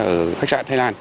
ở khách sạn thái lan